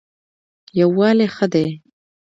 یووالی ښه دی.